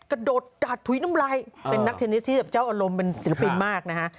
กระโดดกาดถุยน้ำลายเป็นนักเทนนิสที่แบบเจ้าอารมณ์เป็นศิลปินมากนะฮะ